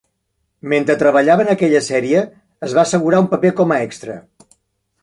Mentre treballava en aquella sèrie, es va assegurar un paper com a extra.